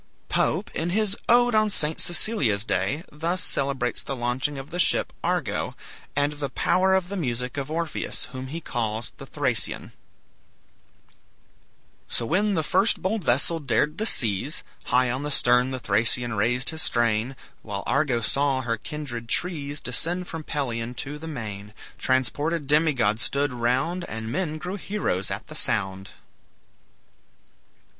Pope, in his "Ode on St. Cecilia's Day," thus celebrates the launching of the ship "Argo," and the power of the music of Orpheus, whom he calls the Thracian: "So when the first bold vessel dared the seas, High on the stern the Thracian raised his strain, While Argo saw her kindred trees Descend from Pelion to the main. Transported demigods stood round, And men grew heroes at the sound."